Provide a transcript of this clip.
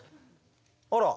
あら。